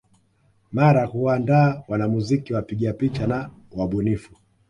Mara kuandaa wanamuziki wapiga picha na wabunifu